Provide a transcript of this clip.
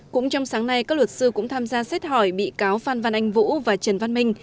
cũng trong sáng nay các luật sư cũng tham gia xét hỏi bị cáo phan văn anh vũ và trần văn minh